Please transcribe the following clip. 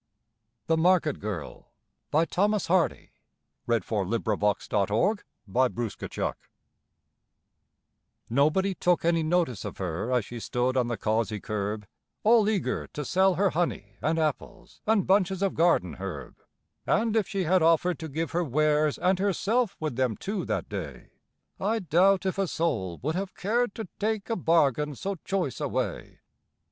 reads and more. JM Embroideries & Collectibles The Market Girl By Thomas Hardy Nobody took any notice of her as she stood on the causey kerb, All eager to sell her honey and apples and bunches of garden herb; And if she had offered to give her wares and herself with them too that day, I doubt if a soul would have cared to take a bargain so choice away.